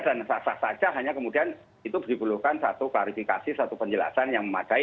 dan sah sah saja hanya kemudian itu diperlukan satu klarifikasi satu penjelasan yang memadai